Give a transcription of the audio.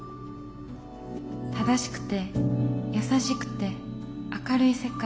正しくて優しくて明るい世界。